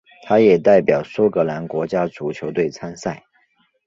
他也代表苏格兰国家足球队参赛。